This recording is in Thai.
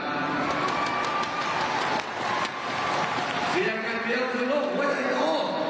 เปียนเสียโลคพวกจันโก